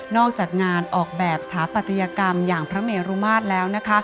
อกจากงานออกแบบสถาปัตยกรรมอย่างพระเมรุมาตรแล้ว